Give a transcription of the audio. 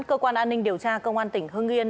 cơ quan an ninh điều tra công an tỉnh hưng yên